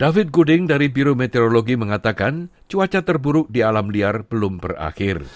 david gooding dari bmi mengatakan cuaca terburuk di alam liar belum berakhir